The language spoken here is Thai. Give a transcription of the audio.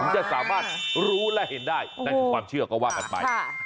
จะสามารถรู้และเห็นได้นั่นคือความเชื่อก็ว่ากันไป